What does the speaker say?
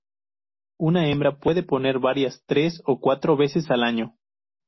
Una hembra puede poner varias, tres o cuatro, veces al año.